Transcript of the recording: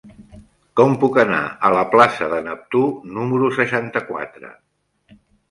Com puc anar a la plaça de Neptú número seixanta-quatre?